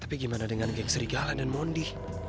tapi gimana dengan geng serigala dan mondi